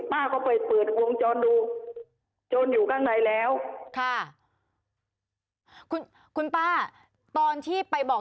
ป้าก็ไปเปิดวงจรดูโจรอยู่ข้างในแล้วค่ะคุณคุณป้าตอนที่ไปบอก